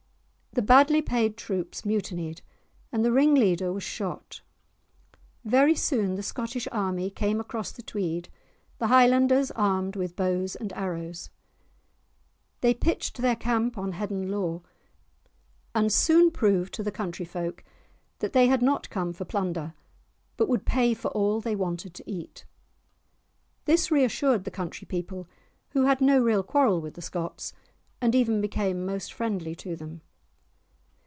The badly paid troops mutinied, and the ring leader was shot. Very soon the Scottish army came across the Tweed, the Highlanders armed with bows and arrows. They pitched their camp on Heddon Law, and soon proved to the country folk that they had not come for plunder, but would pay for all they wanted to eat. This re assured the country people, who had no real quarrel with the Scots, and even became most friendly to them.